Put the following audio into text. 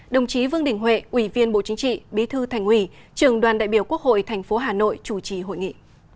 đồng chí vương đình huệ ủy viên bộ chính trị bí thư thành ủy trường đoàn đại biểu quốc hội thành phố hà nội chủ trì hội nghị